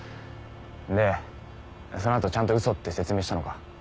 でその後ちゃんとウソって説明したのか？